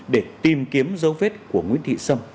để tìm kiếm dấu vết của nguyễn thị sâm